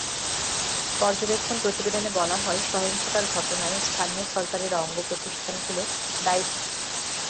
পর্যবেক্ষণ প্রতিবেদনে বলা হয়, সহিংসতার ঘটনায় স্থানীয় সরকারের অঙ্গপ্রতিষ্ঠানগুলো দায়িত্বজ্ঞানহীনতার পরিচয় দিয়েছে।